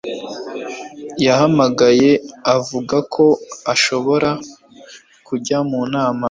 yahamagaye avuga ko adashobora kujya mu nama